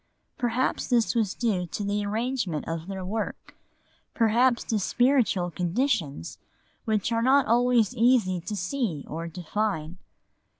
Perhaps this was due to the arrangement of their work, perhaps to spiritual conditions which are not always easy to see or define.